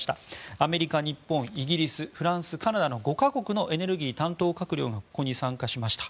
アメリカ、日本、イギリスフランス、カナダの５か国のエネルギー担当閣僚がここに参加しました。